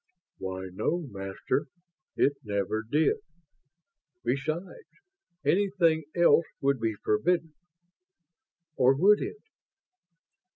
"Why, no, Master, it never did. Besides, anything else would be forbidden ... or would it?"